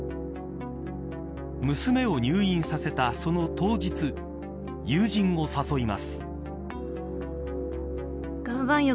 娘を入院させたその当日友人を誘います。